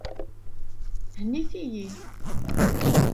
Hennit-iyi!